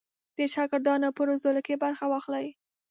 د شاګردانو په روزلو کې برخه واخلي.